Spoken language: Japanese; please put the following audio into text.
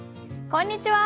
こんにちは！